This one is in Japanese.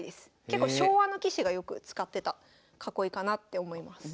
結構昭和の棋士がよく使ってた囲いかなって思います。